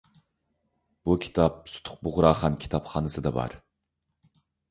بۇ كىتاب سۇتۇق بۇغراخان كىتابخانىسىدا بار.